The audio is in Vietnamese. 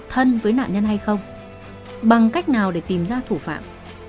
thân với nạn nhân hay không bằng cách nào để tìm ra thủ phạm